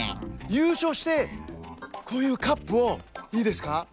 ゆうしょうしてこういうカップをいいですか？